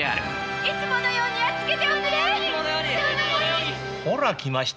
いつものようにやっつけて！